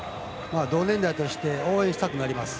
同年代として応援したくなります。